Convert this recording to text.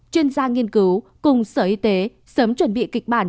chuyên gia nghiên cứu cùng sở y tế sớm chuẩn bị kịch bản